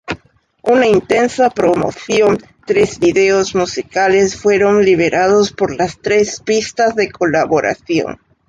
Una intensa promoción, tres videos musicales fueron liberados por las tres pistas de colaboración.